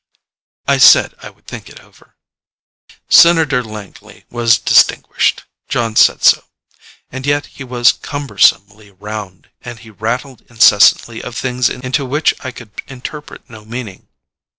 I said I would think it over. Senator Langley was distinguished. Jon said so. And yet he was cumbersomely round, and he rattled incessantly of things into which I could interpret no meaning.